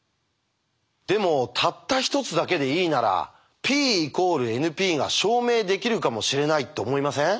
でもたった一つだけでいいならＰ＝ＮＰが証明できるかもしれないと思いません？